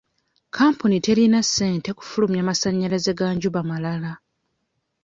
Kampuni terina ssente kufulumya masannyalaze ga njuba malala.